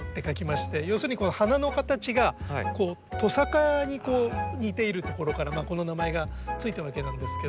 要するにこの花の形がトサカに似ているところからこの名前が付いたわけなんですけど。